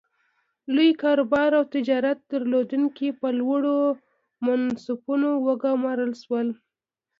لوی کاروبار او تجارت درلودونکي په لوړو منصبونو وګومارل شول.